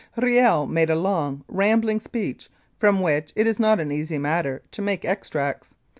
Riel made a long, rambling speech, from which it is not an easy matter to make extracts.